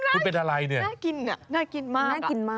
คุณเป็นอะไรเนี่ยน่ากินน่ะน่ากินมากน่ากินมาก